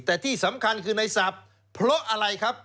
แต่ที่สำคัญคือในศัพท์เพราะอะไรครับ